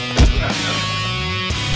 lo sudah bisa berhenti